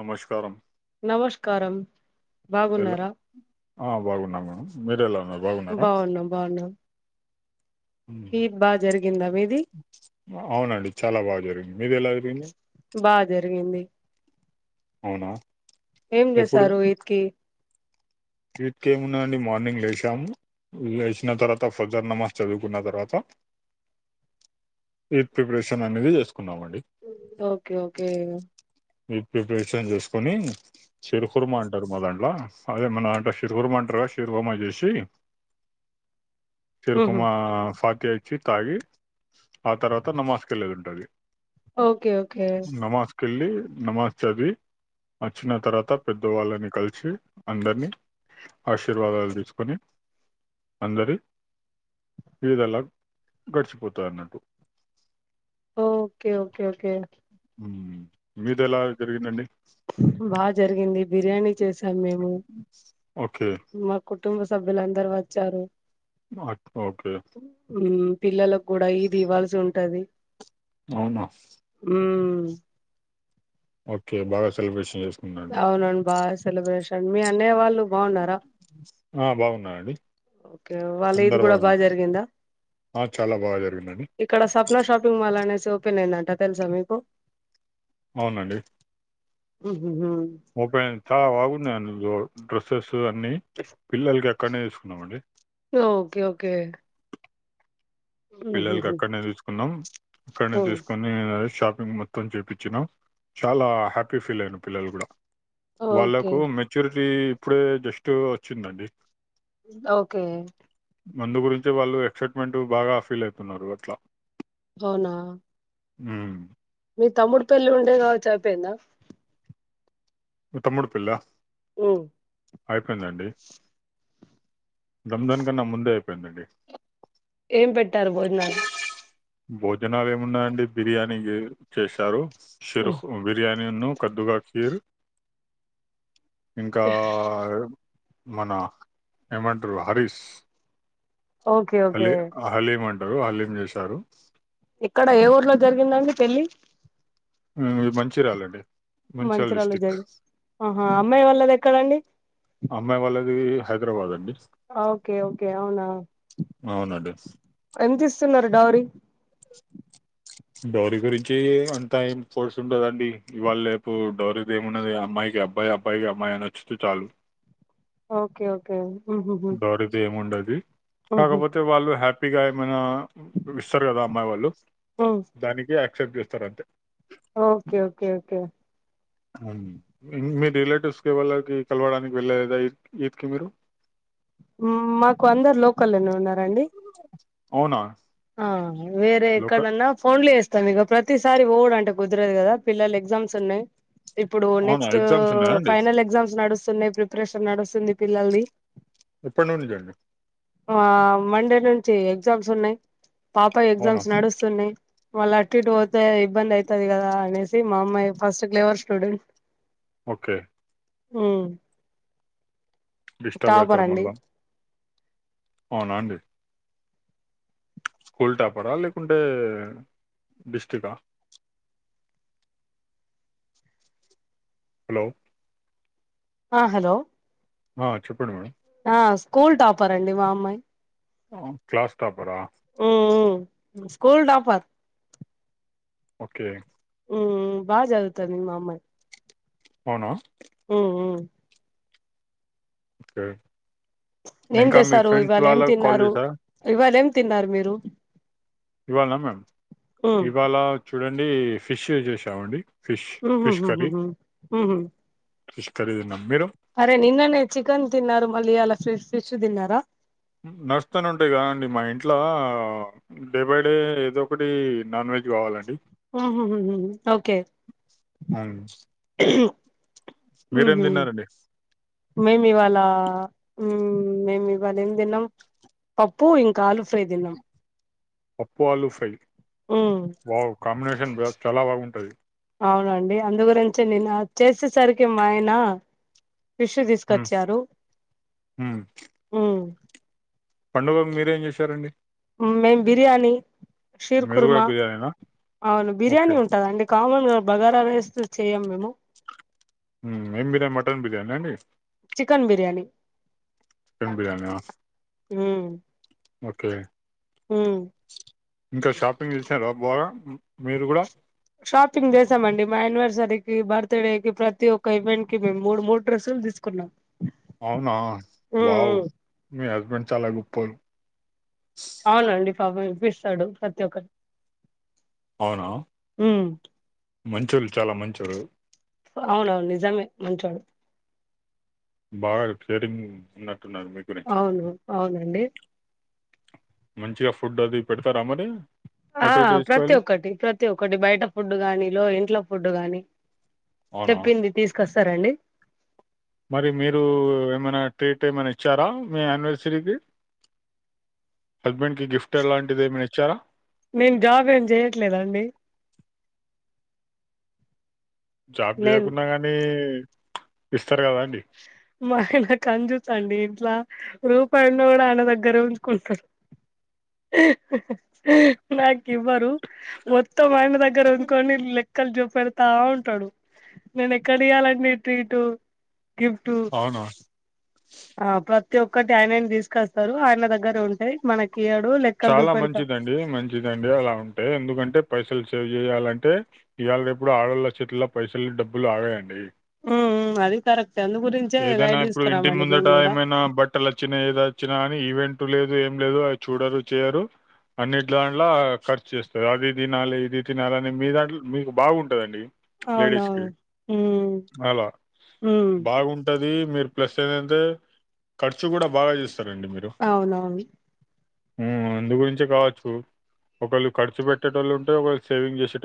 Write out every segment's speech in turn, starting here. నమస్కారం కారం ఎలా బాగున్నారా ఆ బాగున్నం మేడం మీరేలా బాగున్నాం బాగున్నం మ్మ్ మీది అవునండి చాలా బాగా జరిగింది మీది ఎలా గింది బా జరిగింది అవునా ఏం చేసారు ఈద్ కి ట్ కేమున్నాందండి మార్నింగ్ లేష్ చం లెషిన తర్వాత ఫజర్ నమాజ్ చదువుకున్న తర్వాత ఈద్ ప్రిపరేషన్ అనేది చేస్కున్నామండి ఓకే ఓకే ఈద్ ప్రిపరేషన్ చేసుకోని చిరుకుర్మ అంటారు మా దాంట్ల అదే మన శిర్వుం అంటార్ గా శిరువర్మ జేషి ఉహు చరుకుమా ఫతియ ఇచ్చి తాగి ఆ తర్వాత నమాజ్ కెల్లేది ఉంటది ఓకే ఓకే నమాజ్కేళ్లి నమాజ్ చదివి వచ్చిన తర్వాత పెద్దవాళ్ళని కలిసి అందరినీ ఆశీర్వాదాలు తిస్కుని అందరి ఈద్ లగ్ గడిచిపోతాదన్నట్టు ఓకే ఓకే ఓకే మీదేలా జరిగిందండి బా జరిగింది బిర్యానీ చేసాం మేము ఓకే మాకుటుంబ సభ్యులందరు వచ్చారు ఆ మ్మ్ పిల్లలక్ గూడా ఈద్ ఇవ్వాల్సి ఉంటది అవున ఉమ్ ఓకే బాగా సెలబ్రేషన్ చేస్ అవునవున్ బా సెలబ్రేషన్ మీ అన్నయ్య వాళ్ళు బాగున్నారా ఆ బాగున్నారండి ఓకే వాళ్ల ఈద్ కుడా బాగా జరిగిందా ఆ, చాలా బాగా జరిగిందండి ఇక్కడ స శాపింగ్ మాల్ అనేస్ ఓపెన్ అయిందంట తెల్సా మీకు అవునండి మ్ ఓపెనైంద్ చాలా బాగున్నాయి అందు లో డ్రెస్సెస్ అన్ని పిల్లలక్ అక్కన్నే తిస్కున్నామండి ఒకే ఒకే పిల్లలకి అక్కన్నే తిస్కున్నం అక్కన్నే ఆ తిస్కునీ ద్ షాప్ పింగ్ మొత్తం చెప్పించినం చాలా హ్యాపీగ ఫీల్ అఇండ్రు పిల్లలు కుడా ఓకే వాళ్ళకు మెచ్యూరిటీ ఇప్పుడే జస్ట్ ఓచ్చిందండి ఓకే అందు గురించే వాళ్ళు ఎక్సైట్మెంట్ బాగా ఫీల్ ఐతున్నారు అట్లా అవునా హు మ్మ్ మీ తమ్ముడు పెళ్లి ఉండేగాచ్చు అయిపోయిందా. మ తమ్ముడు పెళ్ళా ఉమ్ అయిపోయిందండి. రంజాన్ కన్నా ముందే అయిపోయిందండి. ఏం పెట్టారు భోజనాలు భోజనాలేమున్నాయండి. బిర్యానీ జే చేశారు ఉమ్ సిర్హుర్ బిర్యాని ఉన్ను కద్దురా కీర్ ఇంకా మన ఏమంట్రు హరీష్ ఓకే ఓకే హాలీ హలీం అంటారు హలీం జేశారు ఎక్కడ ఏ ఊర్లో జరిగిందండి పెళ్లి ఉమ్మ్ ఇది మంచిర్యాలండి. మంచిర్యాల జగీ ఆహ్ అమ్మాయి వాళ్ళది ఎక్కడండి. ఇది హైద్రాబాదండి. ఓకే ఓకే అవునా అవునండి ఎంత ఇస్తున్నరు డౌరీ. డౌరీ గురించి అంతా ఏం ఫోర్స్ ఉండదండి ఇవాళ్ళేపు డౌరీది ఏమున్నది అమ్మాయిక్. కీ అబ్బాయబ్బాయికి అమ్మాయి నచ్చుతే చాలు. ఓకే ఓకే ఉంది. డౌరిదేముండది ఉహు కాకపోతే వాళ్ళు హ్యాపీగా ఏమైనా. ఇస్తారు గదా అమ్మాయి వాళ్ళు ఉమ్ దానికి యాక్సెప్ట్ జేస్తరు అంతే. Okay okay okay. ఉమ్ మీ రిలేటివ్స్కి వాళ్లకి కలవడానికి వెళ్ళేదా ఈ ఇట్కి మీరు. ఉమ్మ్ మాకు అందరు లోకల్లోనే ఉన్నారండి. అవునా. ఆహ్ లోకల్ వేరేక్కడనన్నా ఫోండ్లే ఏస్తమిగ ప్రతిసార్. సారి వొవుడంటే కుద్రదు కదా పిల్లలు ఎగ్జామ్స్ ఉన్నయ్. ఇప్పుడు అవునా నెక్స్ట్ ఎగ్జామ్స్ ఉన్నాయా అండి ఫైనల్ ఎగ్జామ్స్ నడుస్తున్నాయి ప్రిపరేషన్ నడుస్తుంది పిల్లల్ది. ఎప్పటి నుంచి అండి ఆహ్ మండే నుంచి ఎగ్జామ్స్ ఉన్నయ్. పాపయ్ అవునా ఎగ్జామ్స్ నడుస్తున్నయ్. వాళ్ళ అటు ఇటు పోతే ఇబ్బంది ఐతది కదానేసి మా అమ్మాయి ఫస్ట్ క్లేవర్ స్టూడెంట్. ఓకే. ఉమ్. డిస్టర్బ్ టాపర్ అయితరు అండి మళ్ళా అవునాండి. ప్చ్ స్కూల్ టాపరా లేకుంటే డిస్టికా. హలో. ఆహ్ హలో. ఆహ్ చెప్పండి మేడం. ఆ స్కూల్ టాపరండి మా అమ్మాయి. ఆహ్ క్లాస్ టాపరా. ఉమ్ ఉమ్ స్కూల్ టాపర్. ఓకే. ఉమ్మ్ బాగా జదువుతాంది మా అమ్మాయి. అవునా. ఉమ్ ఉమ్. ఓకే. ఏం ఇంకా మీ చేసారు ఫ్రెండ్స్ ఇవాళ ఏం వాళ్ళకి కాల్ తిన్నారు చేశారా ఇవాళ ఏం తిన్నారు మీరు. ఇవాల్నా మ్యామ్ ఉమ్ ఇవాళ చూడండి ఫిష్ జేశామండి. ఉమ్ ఉమ్ ఉమ్ ఉమ్మ్. ఫిష్ కరీ తిన్నాం. మీరు అరే నిన్ననే చికెన్ తిన్నారూ మళ్ళీ ఇయాల ఫి ఫిష్ తిన్నారా. నడ్స్తానే ఉంటయి గాండి మా ఇంట్ల డే బై డే ఏదో ఒకటి నాన్ వెజ్. కావాలండి ఉమ్ ఉమ్ ఉమ్ ఓకే. అవును. మీరేం దిన్నారండి. మేం ఇవాళ ఉమ్మ్. ఉమ్మ్ మేం ఇవాళ ఏం తిన్నాం పప్పు ఇంకా ఆలూ ఫ్రై తిన్నాం. పప్పు ఆలుఫ్రై ఉమ్ వావ్ కాంబ్నేషన్ బ్ చాలా బాగుంటది. ఔనా అండి అందుగురించే నేనా చేసేసర్కి మాయ్న ఫిష్ ఉమ్, తీసుకొచ్చారు ఉమ్మ్. పండుగకి మీరేం చేశారండి. మేం బిర్యానీ షీర్ మీరు కూడా కుర్మా బిర్యానీనా ఔను ఓకే బిర్యానీ ఉంటుందండి కామన్గ బగారారైస్తొ చేయ్యమ్ మేము. ఉమ్ ఏం బిర్యాన్ మటన్ బిర్యానండి. చికన్ బిర్యాని. కన్ బిర్యానా. ఊమ్. ఒకే ఇంకా షాపింగ్ జేసారా బాగా. మీరు కూడా షాపింగ్ జేసామండి మ యానివర్స్ జర్కి బర్త్డేకి ప్రతి ఒక్క ఈవెంట్కి మేమ్ మూడ్ మూడు డ్రస్సుల్ దీస్కున్నాం. ఔనా వావ్ మి హస్బెండ్ చాలా గొప్పోలు. ఔనండి పాపం ఇప్పిస్తాడు ప్రతి ఒక్కట్ ఔనా మంచోళ్ చాలా మంచోరు. ఔనవ్ను నిజమే మంచోడు. బాగా కేరింగ్ మ్ ఉన్న ఔను ఔనండి. మంచిగా ఫుడ్డవి పెడ్తారా మరి. ఆ అటు ఇటు ప్రతి తీసుకోవాలి ఒక్కటి ప్రతి ఒక్కటి బైట ఫుడ్డు గానిలో ఇంట్లో ఫుడ్డు గాని అవునా తెప్పింది తీస్కొస్సారండి. మరి మీరూ ఏమనా ట్రీ టేమనిచ్చారా మీ యాన్వర్సరీకి. హస్బెండ్కి గిఫ్టలాంటిది ఏమైనిచ్చార. నేను జాబ్ ఏం చేయట్లేదండి జాబ్ నేను జేయకున్నా గానీ మ ఆయ్న కంజూసండి ఇంట్ల రూపాయున్న గుడా ఆయన దగ్గరే ఉంచుకుంటర్. నాకివ్వరు మొత్తం ఆయ్న దగ్గరుంకోని లెక్ క్కల్ జూపెడ్తా ఉంటడు నేనెక్కడియ్యాలండి ట్రీటు. గిఫ్ట్ అవునా ఆ ప్రత్ త్తి ఒక్కటి ఆయ్నేమ్ దీస్కస్తరు ఆయ్న దగ్గరుంటయ్ మనక్ చాలా మంచిదండి మంచిదండి అలా ఉంటే ఎందుకంటే పైసల్ సేవ్ జేయ్యాలంటే ఇయ్యాల్ రేప్ గుడ ఆడొళ్ళ చేత్లొ పైసల్ డబ్బులు ఆగదండి. ఊ ఊ అదీ కరెక్ ఏదైనా ఇప్పుడు ఇంటి ముందట కూడా ఏమైనా బట్టలచ్చినయ్ ఇదొచ్చినా అనీ ఈవెంట్ టు లేదు ఏం లేదు అవి చూడరు చెయ్యరు అన్నింట్లాంట్ల ఖర్చేస్తరు అవి దినాలి ఇది తినాలి అని మీ దాంట్లో మీక్ మీకు బాగుంటదండి. లేడీస్కి అవునవును ఉమ్ అలా ఉమ్ బాగుం దీ మీర్ ప్లస్సేదంతె ఖర్చు గూడా బాగా జేస్ ఔనవ్ను. ఊమ్ అందుగురించే కావచ్చు ఒకళ్ళు ఖర్చు పెట్టేటోళ్ళుంటె ఒకళ్ సేవింగ్ జేసే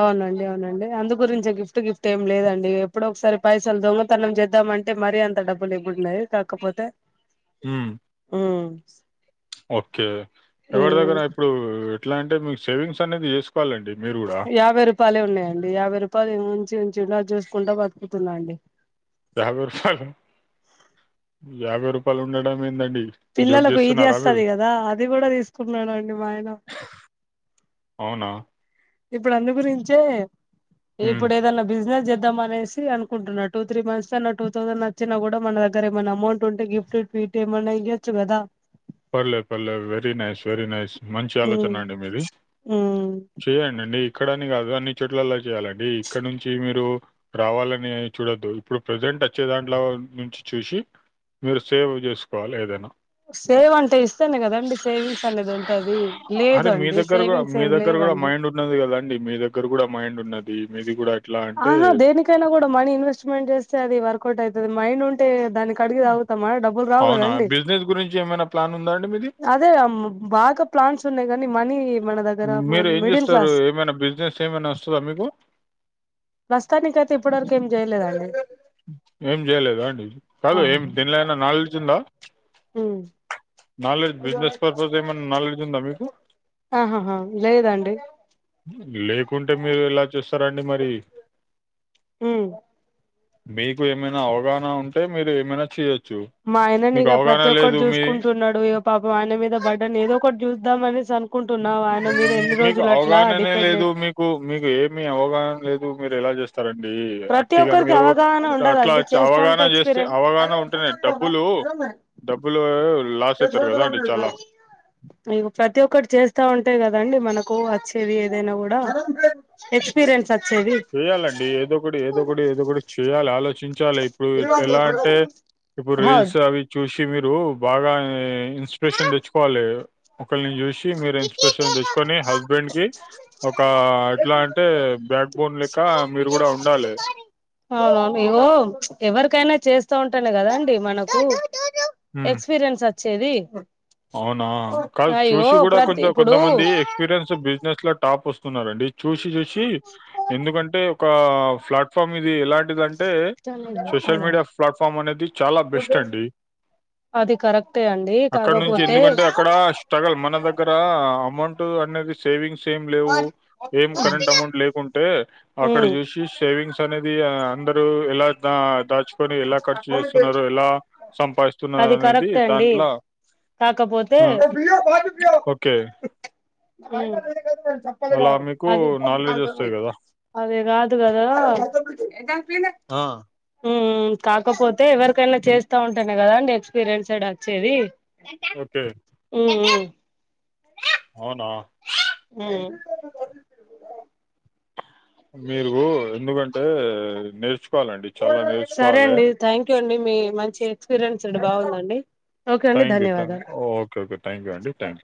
ఔనండి ఔనండి అందు గురించే గిఫ్ట్ గిఫ్టేం లేదండీ ఎప్పుడో ఒక్సారి పైసల్ దొంగతనం జేద్దామంటే మరీ అంత డబ్బులెబ్బుడుండయ్ కాకపోతె ఉమ్. స్ ఒక్కే ఎవర్ దగ్గరా ఇప్పుడూ ఎట్లాంటె మీర్ సేవింగ్సనేద్ జేస్కోలండి. యాభైరుపాయ్లే ఉన్నాయండి యాభై రుపాయ్లు ఉంచి ఉంచి ఉండాద్ జేస్కుంట బత్కుతున్నా అండి. యాభై రూపాయలు ఉండడం ఏందండి జోక్ పిల్లలకు ఇది జేస్తున్నారా మీరు? వొస్తది గదా అది కూడా తీసుకున్నారండి మా ఆయన అవునా? ఇప్పుడు అందు గురించే హ్మ్. ఇప్పుడు ఏదైన్నా బిజినెస్ జే ద్దమనేసి అన్కుంటున్న టూ త్రీ మంత్స్దన్న టూథౌసండచ్చిన గుడా మన దగ్గరేమన్మౌమౌంటుంటె గిఫ్ట్ ఇట్టేమన్న ఇయ్యొచ్చు గదా. పర్లే పర్లేద్ వెరీనైస్ వెరీనైస్. మంచి ఉమ్ ఆలోచనండి మీది ఉమ్ చేయండండి ఇక్కడని కాదు అన్ని చోట్లలా చేయాలండి ఇక్కడ్నుంచి మీరు రావాలని చూడొద్దు ఇప్పుడు ప్రజెంట్ అంటే వచ్చే దాంట్లో నుంచి చూసి మీరు సేవ్ చేసుకోవాలి ఏదైనా సేవ్ అంటే ఇస్తానే కదండి సేవింగ్స్ అనేది ఉంటది అరే! మీ లేదండి దగ్గర గూడా సేవింగ్స్ మీ ఏం దగ్గర లేవం మైండ్ ఉన్నది కదాండి మీ దగ్గర కూడా మైండున్నది మీది కూడా ఆహా దేనికైనా కూడా మనీ ఇన్వెస్ట్మెంట్ చేస్తే అది వర్కౌటౌతది మైండ్ ఉంటే దానికి కడిగి తాగుతామా డబ్బులు అవునా? రావ్కదండి బిజినెస్ గురించి ఏమైనా ప్లాన్ ఉందా అండి మీది? అదే బాగా ప్లాస్ ఉన్నాయ్ కానీ మనీ మన దగ్గర మనం మీరు ఏం మిడిల్ చేస్తారు క్లాస్ ఏమైనా బిజినెస్ ఏమైనా ఓస్తదా మీకు ప్రస్తుతానికైతే ఇప్పటి వరకు ఏం జేయ్లేదండి ఏం చేయలేదా అండి కాదు ఎం దేనిలోనైనా నాలెడ్జ్ ఉందా ఉమ్ నాలెడ్జ్ బిజినెస్ పర్పస్ ఏమైన్నా నాలెడ్జుందా మీకు ఆహాహా లేదండి లేకుంటే మీరేలా చేస్తారండి మరి ఉ మీకు ఏమైనా అవగాహన ఉంటే మీరు ఏమైనా చేయచ్ మా ఆయనని ఇగ ప్రతోక్కటి చూసుకుంటున్నాడు ఈ పాపం ఆయన మీద బడ్డన్ ఏదో కొడ్ట్ జూదంమనెసి మీకు అవగాహననే లేదు డిపెండెంట్ మీకు మీకు ఏమి అవగాహన లేదు మీరేలా చేస్ స్తరండి ప్రతి అట్టిగా ఒక్కరికి మీరు అవగాహన అట్లా ఉండదండి చేస్తా ఉంటే అవగాహన చేస్తే అవగాహన ఉంటేనే డబ్బులూ రొమ డబ్బులూ ఇవో ప్రతి ఒక్కటి చేస్ తా ఉంటే కదండి మనకు వచ్చేవి ఏదైనా కూడా ఎక్స్పీరియన్స్ వచ్చేది చేయ్యాలండి ఏదో ఒకటి ఏదో ఒకటి ఏదో ఒకటి చేయ్యాలా ఆలోచించాలి ఇప్పుడేలా అంటే ఇప్పుడు హౌద్ రీల్స్ అవి చూసి మీరు బాగా ఇన్స్పేషన్ తెచ్చుకోవాలి ఒకరిని చూసి మీరు ఇన్స్పేషన్ తెచ్చుకొని హస్బెండ్కి ఒకా ఎట్లా అంటే బ్యాక్ బోన్ లేక్క మీరు కూడా ఉండాలే అవును ఇగో ఎవరికైనా చేస్తా ఉంటేనే కదా అండి మనకూ ఎక్స్పీరియన్స్ ఒచ్చేది అవ్నా కాదు చూసి కూడా ప్రతి కొంచెం ఇప్పుడు కొంతమంది ఎక్స్పీరియన్స్ బిజినెస్ ఇట్లా టాప్ ఓస్తున్నరండి చూసి చూసి ఎందుకంటే ఒకా ప్లాట్ఫామ్ ఇది ఎలాంటిదం అంటే సోషల్ మీడియా ప్లాట్ఫామ్ అనేది చాలా బెస్టండి అది కరెక్టే అండి కాక నుంచి ఎందుకంటక్కడ స్ట్రగల్ మన దగ్గర అమౌంటూ అన్నది సేవింగ్స్ స్ ఎం లేవు ఎం కరెంట్ అమౌంట్ లేకుంటే అక్కడ ఉమ్ చూసి సేవింగ్స్ అనేది అంద ఎలా దా-దాచుకొని ఎలా ఖర్చు చేస్తున్నారు ఎలా అది సంపాదిస్తున్నారనేది కరెక్టే అండి దాంట్ల కాకపోతే ఓకే అలా మీకు నాలెడ్జ్ ఉ వస్తాయి కదా అది రాదు గదా ఆ ఉహ్ కాకపోతే ఎవరికైనా చేస్తా ఉంటానే కదా అండి ఎక్స్పీరియన్సడ్ ఒచ్చేది ఓకే ఉ ఉ అవునా ఉమ్ ఉమ్ మీర్గు ఎందుకంటే నేర్చు కోవాలండీ చాలా నేర్చుకోవాలె పిరేన్స్డ్ బాగుంద అండీ ఓకే అండి థ్యాంక్ యూ థ్యాంక్ యూ ధన్యవాదాలు ఓకే ఓకే థ్యాంక్ యూ అండి థ్యాంక్ యూ